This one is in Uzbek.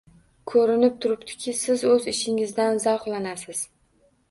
Koʻrinib turibdiki, siz oʻz ishingizdan zavqlanasiz.